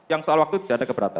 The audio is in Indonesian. yang soal waktu tidak ada keberatan